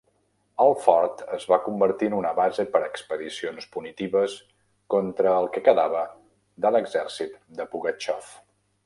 El fort es va convertir en una base per a expedicions punitives contra el que quedava de l'exèrcit de Pugatxov.